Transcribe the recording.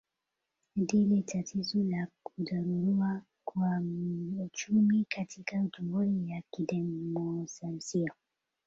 adili tatizo la kudorora kwa uchumi katika jamhuri ya kidemocrasia